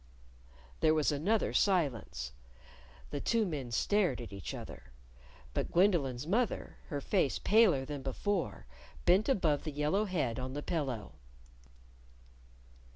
There was another silence. The two men stared at each other. But Gwendolyn's mother, her face paler than before, bent above the yellow head on the pillow.